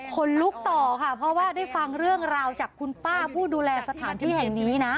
คนลุกต่อค่ะเพราะว่าได้ฟังเรื่องราวจากคุณป้าผู้ดูแลสถานที่แห่งนี้นะ